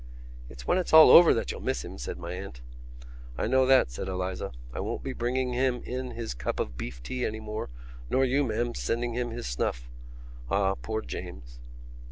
"It's when it's all over that you'll miss him," said my aunt. "I know that," said Eliza. "I won't be bringing him in his cup of beef tea any more, nor you, ma'am, sending him his snuff. Ah, poor James!"